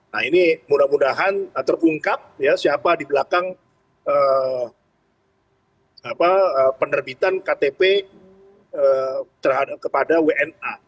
nah ini mudah mudahan terungkap siapa di belakang penerbitan ktp kepada wna